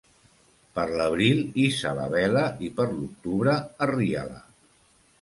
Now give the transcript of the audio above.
Per l'abril hissa la vela i per l'octubre arria-la.